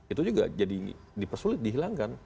itu juga jadi dipersulit dihilangkan